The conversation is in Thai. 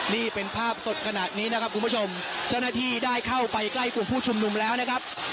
นี่เป็นภาพสดขนาดนี้นะครับคุณผู้ชมเจ้าหน้าที่ได้เข้าไปใกล้กลุ่มผู้ชุมนุมแล้วนะครับ